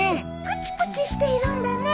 プチプチしているんだね。